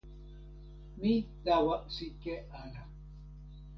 mi tawa sike ala.